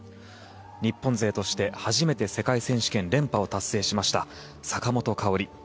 日本勢として初めて世界選手権連覇を達成しました坂本花織。